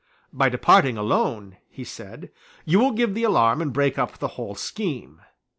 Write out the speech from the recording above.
"By departing alone," he said, "you will give the alarm and break up the whole scheme."